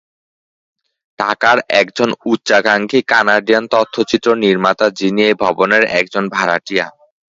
টাকার একজন উচ্চাকাঙ্ক্ষী কানাডিয়ান তথ্যচিত্র নির্মাতা যিনি এই ভবনের একজন ভাড়াটিয়া।